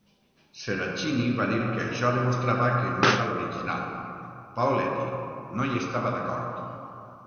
Seracini va dir que això demostrava que no era l'original; Paoletti no hi estava d'acord.